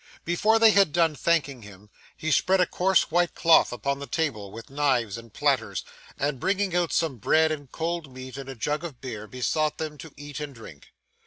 Before they had done thanking him, he spread a coarse white cloth upon the table, with knives and platters; and bringing out some bread and cold meat and a jug of beer, besought them to eat and drink.